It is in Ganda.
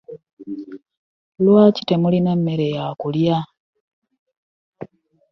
Lwaki temulima mmere yakulya?